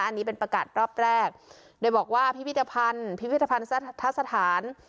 อันนี้เป็นประกาศรอบแรกโดยบอกว่าพิพิธภัณฑ์พิพิธภัณฑสถาน